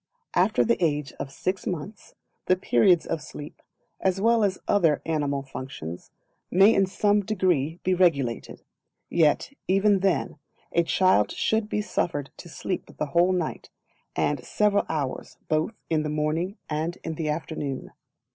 After the age of six months, the periods of sleep, as well as all other animal functions, may in some degree be regulated; yet, even then, a child should be suffered to sleep the whole night, and several hours both in the morning and in the afternoon.